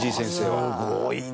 すごいね。